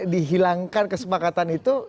dihilangkan kesepakatan itu